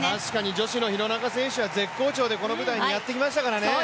女子の廣中選手は絶好調でこの舞台にやってきましたからね。